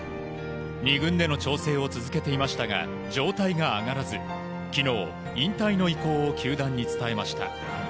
２軍での調整を続けていましたが状態が上がらず昨日、引退の意向を球団に伝えました。